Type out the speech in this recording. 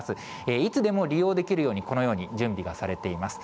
いつでも利用できるように、このように準備がされています。